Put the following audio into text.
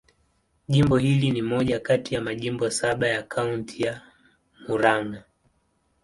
Jimbo hili ni moja kati ya majimbo saba ya Kaunti ya Murang'a.